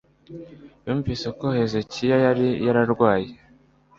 yumvise ko hezekiya yari yararwaye